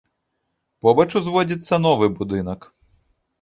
Побач узводзіцца новы будынак.